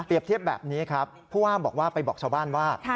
เปรียบเทียบแบบนี้ครับเพราะว่าไปบอกชาวบ้านว่า